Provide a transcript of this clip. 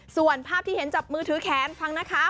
ส่วนภาพที่เห็นจับมือถือแขนฟังนะคะ